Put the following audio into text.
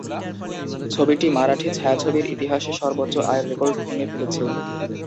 ছবিটি মারাঠি ছায়াছবির ইতিহাসে সর্বোচ্চ আয়ের রেকর্ড ভেঙে ফেলেছে।